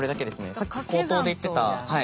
さっき口頭で言ってた。